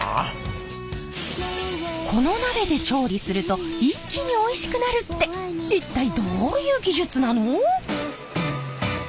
この鍋で調理すると一気においしくなるって一体どういう技術なの！？